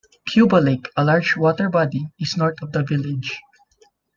Cuba Lake, a large water body, is north of the village.